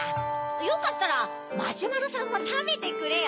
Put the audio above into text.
よかったらマシュマロさんもたべてくれよ。